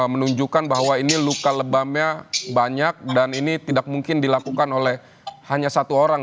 menunjukkan bahwa ini luka lebamnya banyak dan ini tidak mungkin dilakukan oleh hanya satu orang